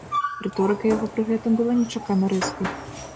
Рыторыка яго пры гэтым была нечакана рэзкай.